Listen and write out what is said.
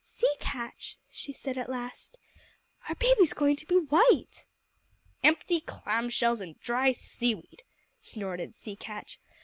"Sea Catch," she said, at last, "our baby's going to be white!" "Empty clam shells and dry seaweed!" snorted Sea Catch.